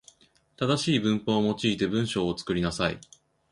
正しい文法を用いて文章を作りなさい。